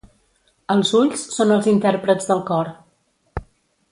Els ulls són els intèrprets del cor.